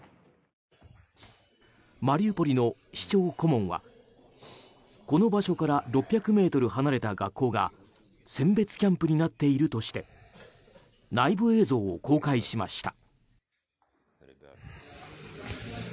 マリウポリの市長顧問はこの場所から６００ｍ離れた学校が選別キャンプになっているとして内部映像を公開しました。